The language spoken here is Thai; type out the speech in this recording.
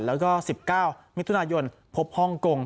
แล้วก็๑๙มิถุนายนพบฮ่องกง